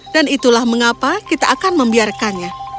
dan itulah mengapa kita akan membiarkannya